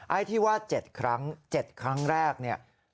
ไอ้ที่ว่าเจ็ดครั้งเจ็ดครั้งแรกเนี่ย